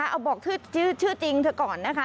เอาบอกชื่อจริงเธอก่อนนะคะ